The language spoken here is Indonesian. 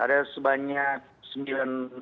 ada sebanyak sembilan